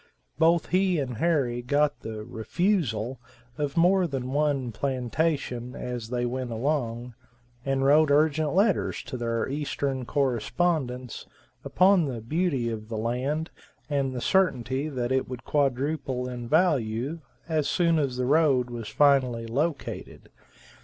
Both he and Harry got the "refusal" of more than one plantation as they went along, and wrote urgent letters to their eastern correspondents, upon the beauty of the land and the certainty that it would quadruple in value as soon as the road was finally located.